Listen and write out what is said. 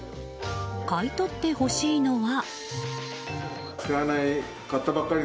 買い取ってほしいのは。